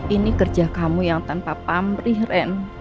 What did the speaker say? ini kerja kamu yang tanpa pamrih ren